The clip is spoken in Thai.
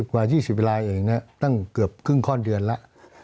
กว่า๒๐เวลาเองนะตั้งเกือบครึ่งข้อนเดือนแล้ว